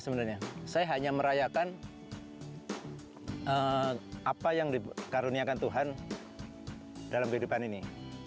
saya hanya merayakan apa yang dikaruniakan tuhan dalam kehidupan ini